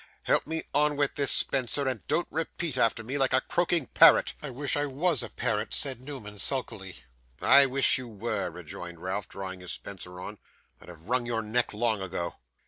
'Help me on with this spencer, and don't repeat after me, like a croaking parrot.' 'I wish I was a parrot,' Newman, sulkily. 'I wish you were,' rejoined Ralph, drawing his spencer on; 'I'd have wrung your neck long ago.